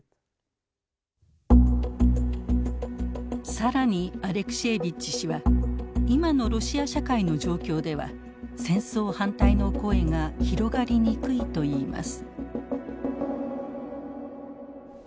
更にアレクシエービッチ氏は今のロシア社会の状況では戦争反対の声が広がりにくいといいます。